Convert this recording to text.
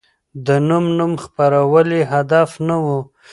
د خپل نوم خپرول يې هدف نه و.